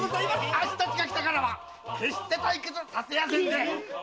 あっしたちが来たからには決して退屈させやせんぜ。